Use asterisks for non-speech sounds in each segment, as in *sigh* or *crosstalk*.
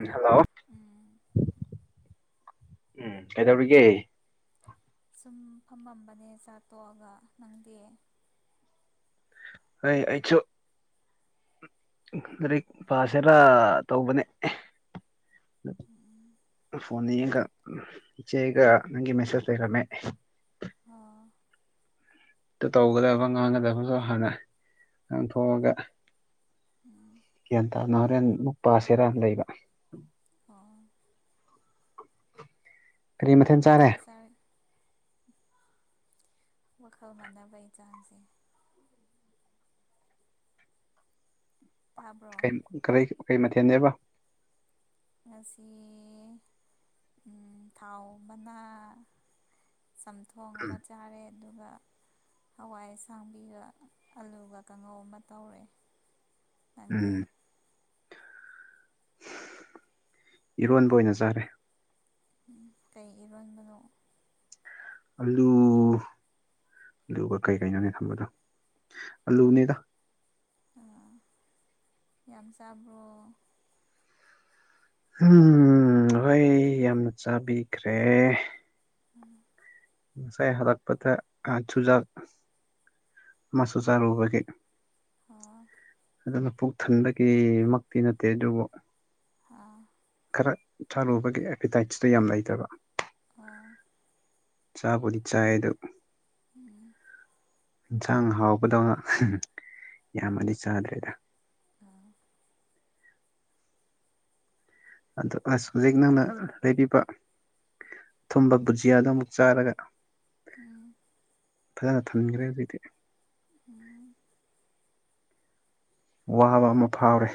ꯎꯝ hello ꯎꯝ ꯎꯝ ꯀꯩꯗꯧꯔꯤꯒꯦ ꯁꯨꯝ ꯐꯝꯃꯝꯕꯅꯦ ꯆꯥ ꯇꯣꯛꯑꯒ ꯅꯪꯗꯦ ꯑꯩ ꯑꯩꯁꯨ ꯔꯤ ꯄꯥꯁꯦꯂ ꯇꯧꯕꯧꯕꯅꯦ ꯎꯝ ꯐꯅꯤ ꯆꯦꯒ ꯅꯪꯒꯤ ꯃꯦꯁꯦꯖ ꯂꯩꯒꯃꯦ ꯑꯣ ꯇ ꯇꯧꯒꯗꯕ ꯉꯥꯡꯒꯗꯕꯁꯨ ꯍꯥꯟꯅ ꯉꯥꯡꯊꯣꯛꯑꯒ ꯎꯝ ꯒ꯭ꯌꯥꯟ ꯇꯥꯅ ꯍꯣꯔꯦꯟ ꯃꯨꯛ ꯄꯁꯤꯔ ꯂꯩꯕ ꯑꯣ ꯀꯔꯤ ꯃꯊꯦꯜ ꯍꯕꯗꯤ ꯆꯥꯔꯦ ꯍ ꯆꯔꯦ ꯋꯥꯈꯜ ꯃꯥꯟꯅꯕꯒꯤ ꯆꯥꯡꯁꯦ ꯇꯥꯕ꯭ꯔꯣ ꯀꯩ ꯃꯊꯦꯜꯅꯦꯕ ꯉꯁꯤ ꯊꯥꯎ ꯃꯅꯥ ꯆꯝꯊꯣꯡ ꯑꯃ ꯆꯥꯔꯦ ꯑꯗꯨꯒ ꯍꯋꯥꯏ ꯑꯁꯥꯡꯕꯤꯒ ꯑꯂꯨꯒ ꯀꯥꯡꯉꯧ ꯑꯃ ꯇꯧꯔꯦ ꯅꯗ ꯎꯝ ꯏꯔꯣꯟꯕ ꯑꯣꯏꯅ ꯆꯥꯔꯦ ꯀꯩ ꯏꯔꯣꯟꯕꯅꯣ ꯑꯂꯨ ꯑꯂꯨꯒ ꯀꯩ ꯀꯩꯅꯣꯅꯦ ꯊꯝꯕꯗꯣ ꯑꯂꯨꯅꯦꯗ ꯑꯥ ꯌꯥꯝ ꯆꯥꯕ꯭ꯔꯣ ꯎꯝ ꯍꯣꯏ ꯌꯥꯝꯅ ꯆꯥꯕꯤꯈ꯭ꯔꯦ ꯎꯝ ꯉꯁꯥꯏ ꯍꯜꯂꯛꯄꯗ ꯆꯨꯖꯥꯛ ꯃꯁꯨꯁꯥꯔꯨꯕꯒꯤ ꯑꯥ ꯑꯗꯨꯅ ꯄꯨꯛ ꯊꯟꯕꯒꯤꯃꯛꯇꯤ ꯅꯠꯇꯦ ꯑꯗꯨꯕꯨ ꯑꯥ ꯈꯔ ꯊꯥꯔꯨꯕꯒꯤ ꯑꯦꯄꯤꯇꯥꯏꯠꯁꯇꯣ ꯌꯥꯝ ꯂꯩꯇꯕ ꯑꯣ ꯆꯥ ꯄꯨꯗꯤ ꯆ ꯑꯗꯨ ꯎꯝ ꯏꯟꯁꯥꯡ ꯍꯥꯎꯕꯗꯧꯅ ꯌꯥꯝꯃꯗꯤ ꯆꯥꯗ꯭ꯔꯦꯗ ꯑꯥ ꯑꯗꯣ ꯑꯁ ꯍꯧꯖꯤꯛ ꯅꯪꯅ ꯂꯩꯕꯤꯕ ꯊꯨꯝꯕ ꯕꯨꯖꯤꯌꯥꯗ ꯑꯃꯨꯛ ꯆꯥꯔꯒ ꯎꯝ ꯐꯔ ꯊꯝꯈ꯭ꯔꯦ ꯑꯗꯨꯗꯤ ꯎꯝ ꯋꯥꯕ ꯑꯃ ꯐꯥꯎꯔꯦ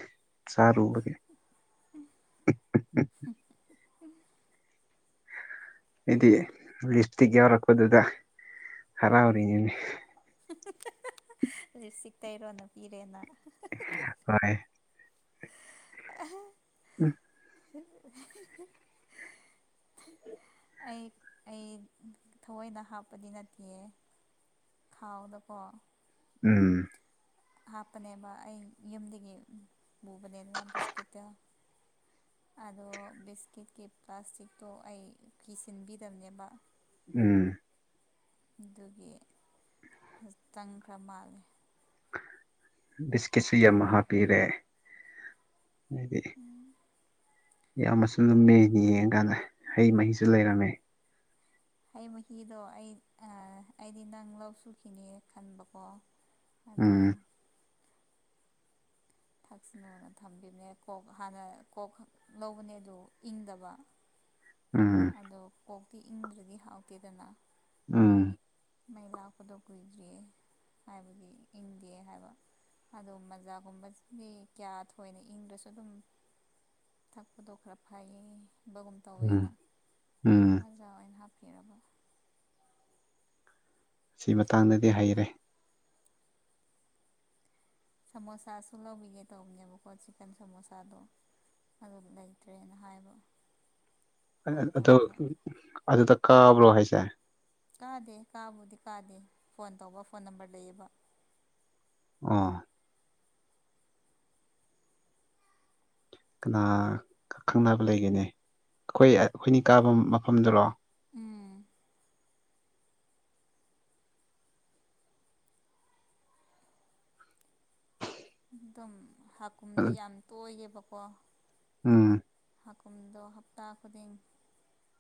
ꯁꯔꯨ ꯑꯣꯏꯔꯦ ꯎ ꯏꯗꯤ ꯂꯤꯞꯁꯇꯤꯛ ꯌꯎꯔ ꯀꯣꯗꯗ ꯍꯔꯥꯎꯥꯎꯔꯤꯉꯅꯦ ꯁꯤꯛꯇꯥ ꯏꯔꯣꯅ ꯐꯤꯔꯦꯅ ꯍꯣꯏ ꯑ ꯎꯝ *unintelligible* ꯎ ꯑꯩ ꯑꯩ ꯊꯑꯣꯏꯅ ꯍꯥꯞꯄꯗꯤ ꯅꯠꯇꯦꯦ ꯈꯥꯎꯗꯀꯣ ꯎꯝ ꯍꯥꯞꯄꯅꯦꯕ ꯑꯩ ꯌꯨꯝꯗꯒꯤ ꯄꯨꯕꯅꯦꯅ ꯕꯤꯁꯀꯤꯠꯇ ꯑꯗꯣ ꯕꯤꯁꯀꯤꯠꯀꯤ ꯄ꯭ꯂꯥꯁꯇꯤꯛꯇꯣ ꯑꯩ ꯀꯤꯁꯤꯟꯕꯤꯗꯕꯅꯦꯕ ꯎꯝ ꯑꯗꯨꯒꯤꯖꯤꯛꯇꯪꯈ꯭ꯔ ꯃꯥꯜꯜꯂꯤꯦ ꯕꯤꯁꯀꯤꯠꯁꯨ ꯌꯥꯝ ꯍꯥꯞꯄꯤꯔꯦ ꯍꯥꯏꯗꯤ ꯌꯥꯝꯃꯁꯨ ꯂꯨꯝꯃꯦ ꯌꯦꯡꯉꯀꯥꯟꯗ ꯍꯩ ꯃꯍꯤꯁꯨ ꯂꯩꯔꯝꯃꯦ ꯍ ꯃꯍꯤꯗꯣ ꯑꯩ ꯑꯩꯗꯤ ꯅꯪ ꯂꯧ ꯁꯨꯈꯤꯅꯦ ꯈꯟꯕꯀꯣ ꯑꯗ ꯎꯝ ꯊꯛꯁꯅꯣꯅ ꯊꯝꯕꯤꯕꯅꯦ ꯀꯣꯛ ꯍꯥꯟꯅ ꯀꯣꯛ ꯂꯧꯕꯅꯦ ꯑꯗꯨ ꯏꯪꯗꯕ ꯎꯝ ꯑꯗꯣ ꯀꯣꯛꯇꯤ ꯏꯪꯗ꯭ꯔꯗꯤ ꯍꯥꯎꯇꯦꯗꯅ ꯎꯝ ꯃꯩ ꯂꯥꯛꯄꯗꯣ ꯀꯨꯏꯗ꯭ꯔꯤꯌꯦ ꯍꯥꯏꯕꯗꯤ ꯏꯪꯗꯦ ꯍꯥꯏꯕ ꯑꯗꯨ ꯃꯖꯥꯒꯨꯝꯕꯁꯤꯗꯤ ꯀꯌꯥ ꯊꯣꯏꯅ ꯏꯪꯗ꯭ꯔꯁꯨ ꯑꯗꯨꯝ ꯊꯛꯄꯗꯣ ꯈꯔ ꯐꯩꯌꯦꯕꯒꯨꯝ ꯇꯧꯋꯦꯅ ꯎꯝ ꯎꯝ ꯃꯖꯥ ꯑꯣꯏꯅ ꯍꯥꯞ ꯁꯤ ꯃꯇꯥꯡꯗꯗꯤ ꯍꯩꯔꯦ ꯁꯃꯣꯁꯥ ꯁꯂꯣꯚꯤꯒ ꯇꯧꯕꯉꯨꯀꯣ ꯆꯤꯦꯟ ꯁꯃꯣꯁꯥꯗ ꯑꯗꯨꯗ ꯂꯩꯏ ꯇꯔ ꯅꯍꯥꯏꯕꯣ ꯑꯗꯨ ꯑꯗꯨꯗ ꯀꯥꯕ꯭ꯔꯣ ꯍꯥꯏꯁꯦ ꯀꯥꯗꯦ ꯀꯥꯕꯨꯗꯤ ꯀꯥꯗꯦ ꯐꯣꯟ ꯇꯧꯕ ꯐꯣꯟ ꯅꯝꯕꯔ ꯂꯩꯌꯦꯕ ꯑꯥ ꯀꯅꯥ ꯈꯪꯅꯕ ꯂꯩꯒꯦꯅꯤ ꯑꯩꯈꯣꯏ ꯑꯩꯈꯣꯏꯅꯤ ꯀꯥꯕ ꯃꯐꯝꯗꯨꯔꯣ ꯎꯝ ꯑꯗꯨꯝ ꯍꯥꯀꯨꯝꯗꯣ ꯌꯥꯝ ꯇꯣꯏꯌꯦꯕꯀꯣ ꯎꯝ ꯍꯥꯥꯛꯀꯨꯝꯗꯣ ꯍꯞꯇꯥ ꯈꯨꯗꯤꯡ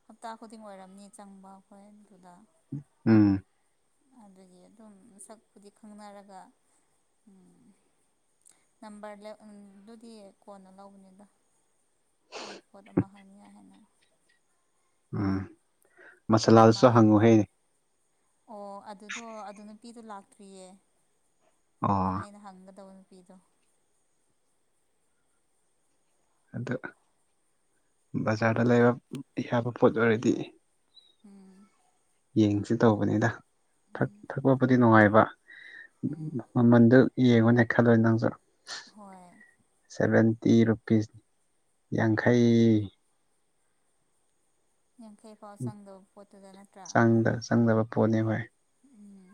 ꯍꯞꯇꯥ ꯈꯨꯗꯤꯡ ꯑꯣꯏꯔꯝꯅꯤ ꯆꯪꯕ ꯑꯩꯈꯣꯏ ꯑꯗꯨꯗ ꯎꯝ ꯑꯗꯨꯒꯤ ꯑꯗꯨꯝ ꯁꯛꯄꯨꯗꯤ ꯈꯪꯅꯔꯒ ꯅꯝꯕꯔ ꯑꯗꯨꯗꯤ ꯀꯣꯟꯅ ꯂꯧꯕꯅꯤꯗ ꯑꯩꯐꯗ ꯃꯍ ꯍ ꯃꯌꯥ ꯍꯟꯅ ꯎꯝ ꯃꯁꯥꯂꯥꯗꯨꯁꯨ ꯏꯃꯥꯟꯅꯕꯤ ꯍꯪꯉꯨꯍꯦꯅꯦ ꯑꯣ ꯑꯗꯨꯗꯣ ꯑꯗꯨ ꯅꯨꯄꯤꯗꯣ ꯂꯥꯛꯇ꯭ꯔꯤꯌꯦ ꯑꯣ ꯑꯩꯅ ꯍꯪꯒꯗꯕ ꯍꯥꯄꯤꯤꯗ ꯑꯗꯨ ꯕꯖꯥꯔꯗ ꯂꯩꯕ ꯌꯥꯕ ꯄꯣꯠ ꯑꯣꯏꯔꯗꯤ ꯎꯝ ꯌꯦꯡꯁꯤ ꯇꯧꯕꯅꯤꯗ ꯊꯛꯄꯕꯨꯗꯤ ꯅꯨꯡꯉꯥꯏꯕ ꯎꯝ ꯃꯃꯟꯗꯨ ꯌꯦꯡꯉꯣꯅꯦ ꯈꯜꯂꯣꯏ ꯅꯪꯁꯨ ꯍꯣꯏ ꯁꯚꯦꯟꯇꯤ ꯔꯨꯄꯤꯁ ꯌꯥꯡꯈꯩ ꯌꯥꯡꯈꯩ ꯐꯥꯎ ꯆꯪꯗꯕ ꯄꯣꯠꯇꯨꯗ ꯅꯠꯇ꯭ꯔꯥ ꯆꯪꯗ ꯆꯪꯗꯕ ꯄꯣꯠꯅꯤ ꯍꯣꯏ ꯎꯝ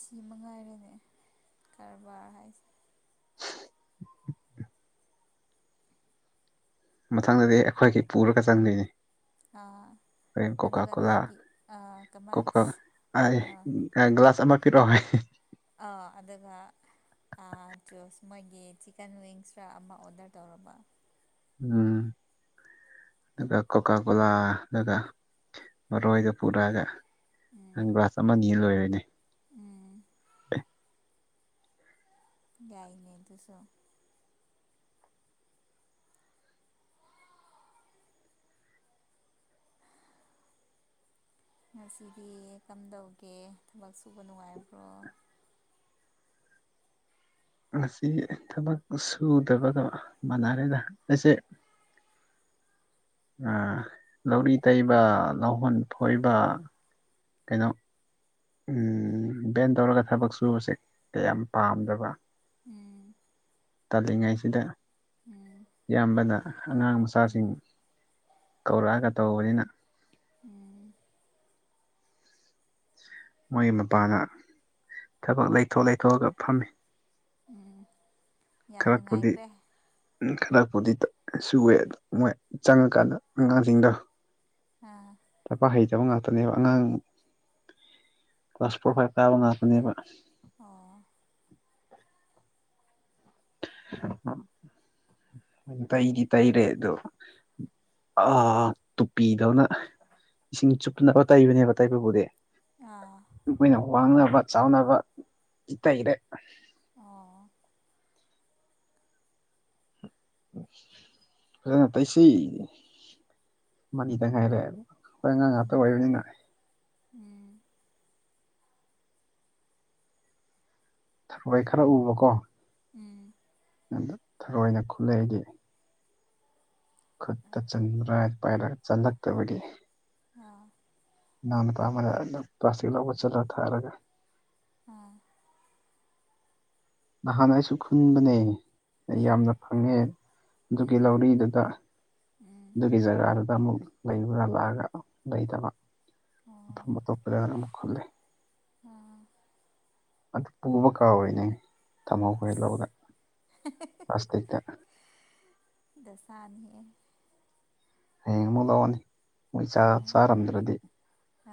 ꯁꯤ ꯃ ꯉꯥꯏꯔꯦꯅꯦ ꯀꯔꯕꯥꯔ ꯍꯥꯏꯁꯦ ꯃꯊꯪꯗꯗꯤ ꯑꯩꯈꯣꯏꯒꯤ ꯄꯨꯔꯒ ꯆꯪꯗꯣꯏꯅꯤ ꯑꯥ ꯀꯣꯀꯥ ꯑꯗꯨꯒ ꯀꯣꯂꯥ ꯅꯣꯏꯒꯤ ꯀꯃꯥꯏ ꯀꯣꯀꯥ ꯭ꯂꯥꯁ ꯑ ꯐꯔ ꯑꯣꯏꯍꯦ ꯑ ꯑꯗꯨꯒ ꯑ ꯣꯁ ꯃꯣꯏꯒꯤ ꯆꯤꯛꯀꯟ ꯋꯤꯡꯁ ꯈ ꯑꯃ ꯑꯣꯗꯔ ꯇꯧꯔꯕ ꯎꯝ ꯑꯗꯨꯒ ꯀꯀ ꯀꯣꯂꯥ ꯑꯗꯨꯒ ꯃꯔꯣꯏꯗ ꯄꯨꯔꯛꯑꯒ ꯒ꯭ꯂꯥꯁ ꯑꯃꯅꯤ ꯂꯣꯏꯔꯣꯏꯅꯦ ꯎꯝ *unintelligible* ꯌꯥꯏꯅꯦ ꯑꯗꯨꯁꯨꯣ ꯉꯁꯤꯗꯤ ꯀꯝꯗꯧꯒꯦ ꯊꯕꯛ ꯁꯨꯕ ꯅꯨꯡꯉꯥꯏꯕ꯭ꯔꯣ ꯉꯁꯤ ꯊꯕꯛ ꯁꯨꯗꯕꯒ ꯃꯅꯔꯦꯗ ꯑꯩꯁꯦ *unintelligible* ꯂꯧꯔꯤ ꯇꯩꯕ ꯂꯧꯍꯣꯟ ꯐꯣꯏꯕ ꯀꯩꯅꯣ ꯎꯝ ꯚꯦꯟ ꯇꯧꯔꯒ ꯊꯕꯛ ꯁꯨꯖꯤ ꯀꯌꯥꯝ ꯄꯥꯝꯗꯕ ꯎꯝ ꯇꯥꯜꯂꯤꯉꯩꯁꯤꯗ ꯎꯝ ꯏꯌꯥꯝꯕꯅ ꯑꯉꯥꯡ ꯃꯆꯥꯁꯤꯡ ꯎꯝ ꯀꯧꯔꯛꯑꯒ ꯇꯧꯕꯅꯤꯅ ꯎꯝ ꯃꯣꯏꯒꯤ ꯃꯄꯥꯅ ꯊꯕꯛ ꯂꯩꯊꯣꯛ ꯂꯩꯊꯣꯛꯑꯒ ꯐꯝꯃꯤ ꯎꯝ ꯌꯥꯝ ꯅꯨꯡꯉꯥꯏꯈ꯭ꯔꯦ ꯈꯔꯄꯨꯗꯤ ꯁꯨꯑꯦ ꯑꯗ ꯃꯣꯏ ꯆꯪꯉꯀꯥꯟꯗ ꯑꯉꯥꯡꯁꯤꯡꯗꯣ ꯑꯥ ꯇ ꯄ ꯍꯩ ꯆ ꯉꯥꯛꯇꯅꯦꯕ ꯑꯉꯥꯡ ꯀ꯭ꯂꯥꯁ ꯐꯣꯔ ꯐꯥꯏꯚ ꯀꯥꯕ ꯉꯥꯛꯇꯅꯦꯕ ꯑꯣ ꯇꯩꯗꯤ ꯇꯩꯔꯦ ꯑꯗꯨ ꯑ ꯇꯨꯄꯤꯗꯧꯅ ꯏꯁꯤꯡ ꯆꯨꯞꯇꯅꯕ ꯇꯩꯕꯅꯦꯕ ꯇꯥꯏꯕꯕꯨꯗꯤ ꯑꯥ ꯑꯩꯈꯣꯏꯅ ꯋꯥꯡꯅꯕ ꯆꯥꯎꯅꯕ ꯇꯩꯔꯦ ꯑꯣ ꯎ ꯐꯖꯅ ꯇꯩꯁꯤ ꯃꯅꯤ ꯇꯪ ꯉꯥꯏꯔꯦ ꯍꯥꯏ ꯍꯉꯥꯡ ꯉ ꯑꯇꯩ ꯎꯝ ꯑꯣꯏꯕꯅꯤꯅ ꯎꯝ ꯊ ꯍꯏ ꯈꯔ ꯎꯕꯀꯣ ꯎꯝ ꯟꯗꯛ ꯊꯔꯣꯏꯅ ꯈꯨꯠꯂꯛꯗꯤ ꯈꯨꯠꯇ ꯆꯟꯗ꯭ꯔꯥ ꯄꯥꯏ ꯆꯜꯂꯛꯇꯕꯒꯤ ꯑꯣ ꯅꯅ ꯄꯥ ꯄ꯭ꯂꯥꯁꯇꯤꯛ ꯂꯧꯕ ꯆꯠꯂ ꯊꯥꯔꯒꯦ ꯑ ꯅꯍꯥꯟ ꯑꯩꯁꯨ ꯈꯨꯟꯕꯅꯦ ꯑꯩ ꯎꯝ ꯌꯥꯝꯅ ꯐꯪꯉꯦ ꯑꯗꯨꯒꯤ ꯎꯝ ꯂꯧꯔꯤꯗꯨꯗ ꯎꯝ ꯑꯗꯨꯒꯤ ꯖꯒꯥꯗꯨꯗ ꯑꯃꯨꯛ ꯂꯩꯕ꯭ꯔꯥ ꯂꯥꯛꯑꯒ ꯂꯩꯇꯕ ꯑꯣ ꯑꯝꯕ ꯇꯣꯞꯄꯔ ꯍꯥꯏꯔ ꯑꯃꯨ ꯈꯂꯦ ꯑꯗꯨ ꯄꯨꯕ ꯀꯥ ꯑꯣꯏꯔꯤꯅꯦ ꯊꯝꯃꯣ ꯈꯔ ꯂꯧꯗ ꯄ꯭ꯂꯥꯁꯇꯤꯛꯇ ꯗꯁꯥꯏꯟ ꯍꯌꯦꯡ ꯑꯃꯨꯛ ꯂꯧꯔꯅꯤ ꯃꯣꯏ ꯆ ꯆꯥꯔꯝꯗ꯭ꯔꯗꯤ ꯑ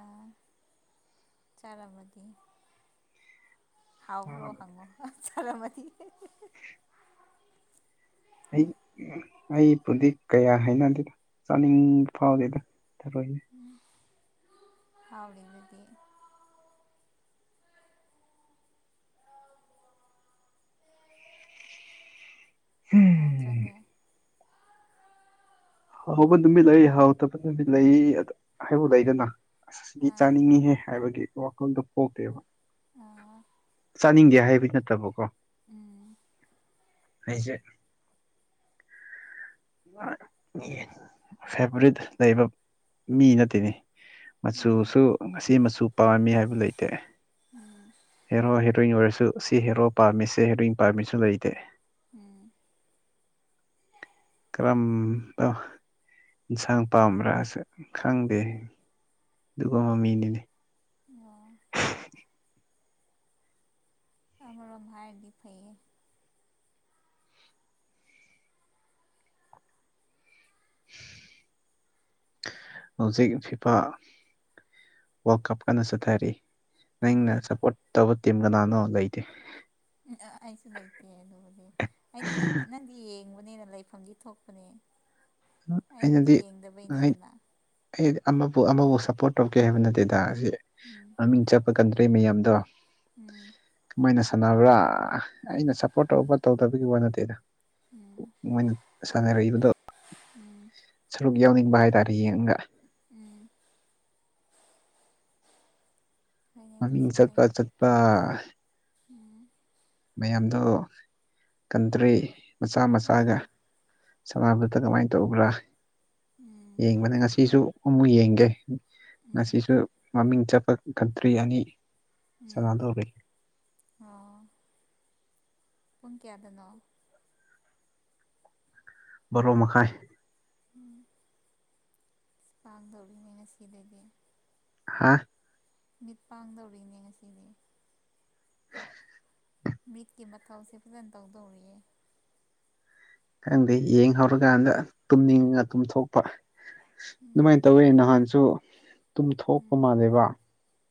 ꯆꯂꯕꯗꯤ ꯍꯥꯎꯕ꯭ꯔꯣ ꯍꯪꯉꯣ ꯆꯔ ꯃꯗꯤ ꯑꯩ ꯑꯩꯕꯨꯗꯤ ꯀꯌꯥ ꯍꯥꯏꯅꯗꯦꯗ ꯆꯥꯅꯤꯡꯕ ꯐꯥꯎꯗꯦꯗ ꯇꯔꯣꯏꯅꯦ ꯍꯥꯎꯔꯤꯗꯨ ꯍꯥꯎꯗ꯭ꯔꯅꯦ ꯍꯧꯕ ꯅꯨꯃꯤꯠ ꯂꯩ ꯍꯥꯎꯗꯕ ꯅꯨꯃꯤꯠ ꯂꯩ ꯍꯥꯏꯕꯥꯎ ꯂꯩꯗꯅ ꯑ ꯁꯤꯗꯤ ꯑꯥ ꯆꯥꯅꯤꯡꯉꯤꯍꯦ ꯍꯥꯏꯕꯒꯤ ꯋꯥꯈꯜꯗꯣ ꯄꯣꯛꯇꯦꯕ ꯑ ꯆꯥꯅꯤꯡꯗꯦ ꯍꯥꯏꯕ ꯅꯠꯇꯕꯀꯣ ꯎꯝ ꯑꯩꯁ ꯐꯦꯚꯣꯔꯔꯤꯠ ꯂꯩꯕ ꯃꯤ ꯅꯠꯇꯦꯅꯤ ꯃꯆꯨꯁꯨ ꯉꯁꯤ ꯃꯆꯨ ꯄꯥꯝꯃꯤ ꯍꯥꯏꯕ ꯂꯩꯇꯦ ꯍꯦꯔꯣ ꯍꯦꯔꯣꯏꯟ ꯑꯣꯏꯔꯁꯨ ꯁꯤ ꯍꯦꯔꯣ ꯄꯥꯝꯃꯤꯁꯦ ꯍꯦꯔꯣꯏꯟ ꯄꯥꯝꯃꯤꯁꯨ ꯂꯩꯇꯦ ꯎꯝ ꯀꯔꯝ ꯑ ꯏꯟꯁꯥꯡ ꯄꯥꯝꯕ꯭ꯔꯥꯁꯨ ꯈꯪꯗꯦ ꯑꯗꯨꯒ ꯃꯃꯤꯅꯤꯅꯦ ꯑꯣ ꯑꯔꯣ ꯚꯥꯏꯗꯤ ꯐꯩꯌꯦ *unintelligible* ꯍꯧꯖꯤꯛ ꯐꯤꯐꯥ ꯋꯥꯔꯜ ꯀꯞ ꯀꯟꯅ ꯆꯠꯊꯔꯤ ꯅꯪꯅ ꯎꯝ ꯁꯞꯄꯣꯔꯠ ꯇꯧꯕ ꯇꯤ ꯀꯅꯥꯅꯣ ꯂꯩꯇꯦ ꯎ ꯑꯁꯨ ꯂꯩꯥꯏꯇꯦ ꯑꯗꯨꯦ ꯑꯩꯗꯤ ꯅꯪꯗꯤ ꯌꯦ ꯇꯅꯦꯅ ꯂꯩꯐꯝꯗꯤ ꯊꯣꯛꯄꯅꯦ ꯑꯩꯕꯨꯗꯤ ꯑꯩꯅꯗꯤ ꯌꯦꯡꯗꯕꯩꯅꯦꯗꯅ ꯑꯃꯕꯨ ꯑꯃꯕꯨ ꯁꯞꯄꯣꯔꯠ ꯇꯧꯔꯛꯀꯦ ꯍꯥꯏꯕ ꯅꯠꯇꯦꯗ ꯑꯁꯤ ꯃꯃꯤꯡ ꯆꯠꯄ ꯀꯟꯗ꯭ꯔꯔꯤ ꯃꯌꯥꯝꯗꯣ ꯎꯝ ꯃꯣꯏꯅ ꯁꯥꯟꯅꯕ꯭ꯔꯥ ꯑꯩꯅ ꯁꯞꯄꯣꯔꯠ ꯇꯧ ꯇꯧꯗꯕꯒꯤ ꯋꯥ ꯅꯠꯇꯦꯗ ꯃꯣꯏꯅ ꯁꯥꯟꯅꯔꯛꯏꯕꯗꯣ ꯁꯔꯨꯛ ꯌꯥꯎꯅꯤꯡꯕ ꯍꯥꯏꯇꯥꯔꯦ ꯌꯦꯡꯉꯒ ꯎꯝ ꯍꯣꯏꯅꯦ ꯃꯃꯤꯡ ꯑꯗꯨꯁꯨ ꯆꯠꯄ ꯆꯠꯄ ꯎꯝ ꯃꯌꯥꯝꯗ ꯀꯟꯇ꯭ꯔꯤ ꯃꯆꯥ ꯎꯝ ꯃꯆꯥꯒ ꯁꯥꯟꯅꯥꯅꯕꯠꯇ ꯀꯃꯥꯏꯅ ꯇꯧꯕ꯭ꯔꯥ ꯎꯝ ꯌꯦꯡꯕꯅꯦ ꯉꯁꯤꯁꯨ ꯑꯃꯨꯛ ꯌꯦꯡꯒꯦ ꯎꯝ ꯉꯁꯤꯁꯨ ꯃꯃꯤꯡ ꯆꯠꯄ ꯀꯟꯇ꯭ꯔꯤ ꯑꯅꯤ ꯎꯝ ꯆꯅꯥꯗꯒꯦ ꯑꯣ ꯄꯨꯡ ꯀꯌꯥꯗꯅꯣ ꯔꯣ ꯃꯈꯥꯏ ꯎꯝ ꯄꯥꯗꯧꯔꯅ ꯁꯤꯗꯗꯒꯤ ꯍꯥ ꯃꯤꯠ ꯄꯥꯡꯗꯧꯔꯤꯅꯦ ꯉꯁꯤꯗꯤ ꯃꯤꯠꯀꯤ ꯃꯊꯧꯁꯦ ꯐꯖꯅ ꯇꯧꯗꯧꯔꯤꯌꯦ ꯈꯪꯗꯦ ꯌꯦꯡ ꯍꯧꯧꯔꯀꯥꯟꯗ ꯇꯨꯝꯅꯤꯡꯉ ꯇꯨꯝꯊꯣꯛꯄ ꯑꯗꯨꯃꯥꯏꯅ ꯎꯝ ꯇꯧꯋꯦ ꯅꯍꯥꯟꯁꯨ ꯇꯨꯝꯊꯣꯛꯄ ꯎꯝ ꯃꯥꯜꯂꯦꯕ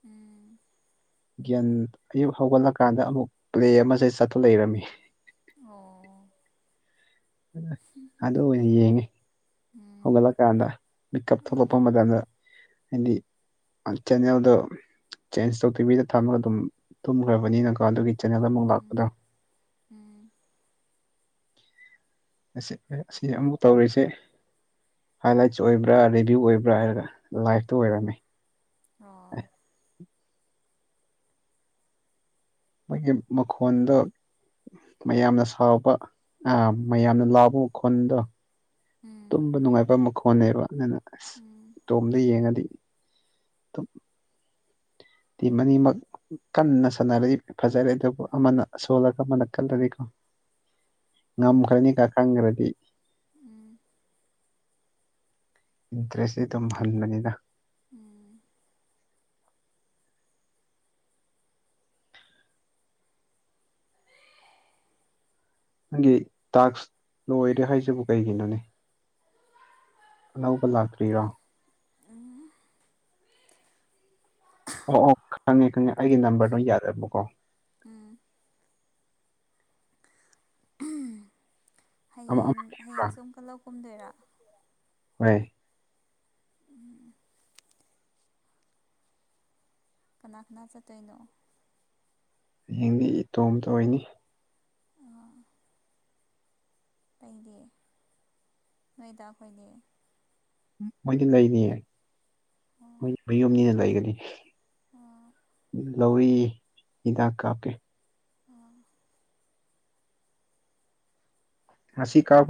ꯎꯝ ꯒꯟ ꯑꯌꯨꯛ ꯍꯧꯒꯠꯂꯀꯥꯟꯗ ꯑꯃꯨꯛ ꯄ꯭ꯂꯦ ꯑꯃꯁꯦ ꯆꯠꯠꯇ ꯂꯩꯔꯝꯃꯤ ꯑꯣ ꯑꯗꯨ ꯑꯣꯏꯅ ꯌꯦꯡꯉꯤ ꯎꯝ ꯍꯧꯒꯠꯂꯛꯀꯥꯟꯗ ꯃꯤꯤꯛꯀꯞ ꯊꯣꯛꯂꯛꯄ ꯎꯝ ꯃꯇꯝꯗ ꯍꯥꯏꯗꯤ ꯆꯦꯅꯦꯜꯗꯣ ꯆꯦꯟꯖ ꯇꯧ ꯇꯤꯚꯗ ꯊꯝꯃꯒ ꯑꯗꯨꯝ ꯇꯨꯝꯈ꯭ꯔꯕꯅꯤꯅꯀꯣ ꯑꯗꯨꯒꯤ ꯆꯦꯅꯦꯜ ꯑꯃꯨꯛ ꯂꯥꯛꯄꯗ ꯎꯝ ꯑꯁꯤ ꯑꯃꯨꯛ ꯇꯧꯔꯤꯁꯦ ꯍꯥꯏꯂꯥꯏꯠ ꯑꯣꯏꯕ꯭ꯔꯥ ꯦꯚꯤꯌꯨ ꯑꯣꯏꯕ꯭ꯔꯥ ꯍꯥꯏꯔꯒ ꯂꯥꯏꯚꯇ ꯑꯣꯏꯔꯝꯃꯦ ꯑꯣ ꯃꯥꯣꯏꯒꯤ ꯃꯈꯣꯟꯗ ꯃꯌꯥꯝꯅ ꯁꯥꯎꯕ ꯑ ꯃꯌꯥꯝꯅ ꯂꯥꯎꯕꯜꯗꯣ ꯎꯝ ꯇꯨꯝꯕ ꯅꯨꯡꯉꯥꯏꯕ ꯃꯈꯣꯟꯅꯦꯕ ꯑꯗꯨꯅ ꯑꯁ ꯎꯝ ꯇꯣꯝꯗ ꯌꯦꯡꯉꯗꯤ ꯇ ꯇ ꯃꯅꯤꯃꯛ ꯀꯟꯅ ꯁꯥꯟꯅꯔ ꯐꯖꯔꯦ ꯑꯗꯨꯕꯨ ꯑꯃꯅ ꯁꯣꯜꯂꯒ ꯑꯃꯅ ꯀꯜꯂꯔꯤꯀꯣ ꯉꯝꯈ꯭ꯔꯅꯤ ꯀꯥ ꯈꯥꯡꯪꯈ꯭ꯔꯗꯤ ꯏꯟꯇ꯭ꯔꯦꯁꯦ ꯇꯜꯃꯅꯤꯗ ꯎꯝ ꯅꯪꯒꯤ ꯇꯥꯛꯁ ꯂꯣꯏꯔꯦ ꯍꯥꯏꯁꯤꯕꯨ ꯀꯩꯒꯤꯅꯣꯅꯦ ꯑꯅꯧꯕ ꯂꯥꯛꯇ꯭ꯔꯤꯔꯣ ꯑꯣ ꯑꯣ ꯈꯪꯉꯦ ꯈꯪꯉꯦ ꯑꯩꯒꯤ ꯅꯝꯕꯔꯗꯣ ꯌꯥꯔꯑꯕꯀꯣ ꯑꯃ ꯍꯌꯦꯡ ꯑꯃ ꯄꯤꯕ꯭ꯔꯥ ꯍꯌꯦꯡꯁꯨ ꯑꯃꯨꯛꯀ ꯂꯧ ꯀꯨꯝꯗꯣꯏꯔ ꯍ ꯀꯅꯥ ꯀꯅꯥ ꯆꯠꯠꯇꯣꯏꯅꯣ ꯌꯦꯡꯗꯤ ꯏꯇꯣꯝꯇ ꯑꯣꯏꯅꯤ ꯂꯩꯗꯤ ꯅꯣꯏꯗ ꯑꯩꯈꯣꯏꯗꯤ ꯃꯣꯏꯗꯤ ꯂꯩꯅꯤ ꯑꯣ ꯃꯣꯏ ꯃꯌꯨꯝꯅꯤꯅ ꯂꯩꯒꯅꯤ ꯑꯣ ꯂꯧꯧꯏ ꯍꯤꯗꯥꯛ ꯀꯥꯞꯀꯦ ꯑ ꯑꯁꯤ ꯀꯕꯨ